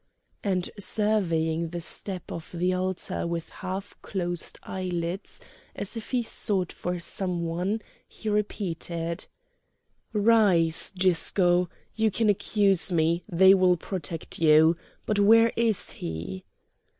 And surveying the step of the altar with half closed eyelids, as if he sought for some one, he repeated: "Rise, Gisco! You can accuse me; they will protect you! But where is he?"